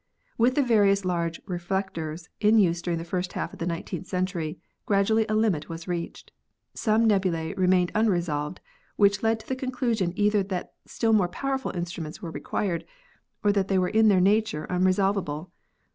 With the various large reflectors in use during the first half of the nineteenth century, gradually a limit was reached. Some nebulas remained unresolved, which led to the conclusion either that still more powerful instruments were required or that they were in their nature unresolvable.